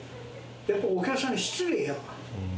やっぱお客さんに失礼やわ。